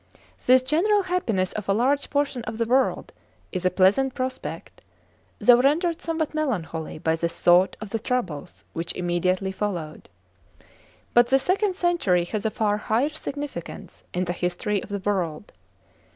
This general happiness of a large portion of the world is a pleasant prospect, though rendered somewhat melancholy by the thought of the troubles which immediately followed. But the second century has a far higher significance in the history of the world.